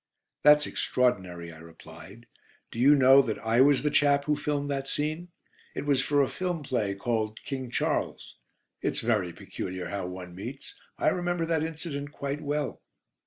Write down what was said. "That's extraordinary," I replied. "Do you know that I was the chap who filmed that scene? it was for a film play called 'King Charles.' It's very peculiar how one meets. I remember that incident quite well."